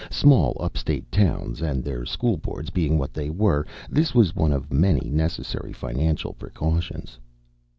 Small upstate towns and their school boards being what they were, this was one of many necessary financial precautions.